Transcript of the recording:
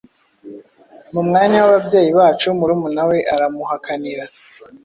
mu mwanya w'ababyeyi bacu. Murumuna we aramuhakanira,